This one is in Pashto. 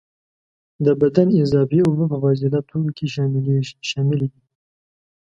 د بدن اضافي اوبه په فاضله توکو کې شاملي دي.